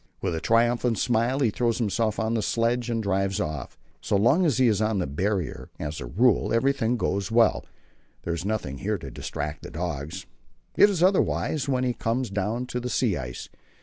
With a triumphant smile he throws himself on the sledge and drives off. So long as he is on the Barrier as a rule everything goes well; there is nothing here to distract the dogs. It is otherwise when he comes down to the sea ice.